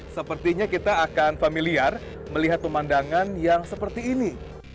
sepertinya kita akan familiar melihat pemandangan yang seperti ini